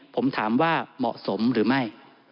ผมถามว่าเหมาะสมหรือไม่